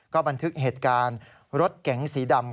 ก็บันทึกเหตุการณ์รถเก๋งสีดำ